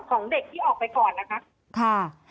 ของเด็กที่ออกไปก่อนนะคะ